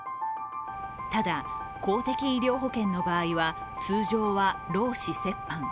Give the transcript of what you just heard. ただ、公的医療保険の場合は通常は労使折半。